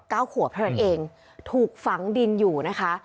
เก้าขวบเท่านั้นเองถูกฝังดินอยู่นะคะ